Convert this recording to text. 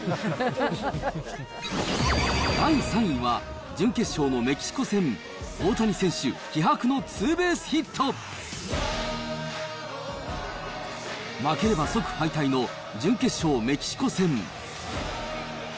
第３位は、準決勝のメキシコ戦、大谷選手、気迫のツーベースヒット。負ければ即敗退の準決勝メキシコ戦。